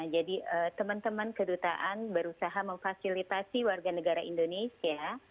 jadi teman teman kedutaan berusaha memfasilitasi warga negara indonesia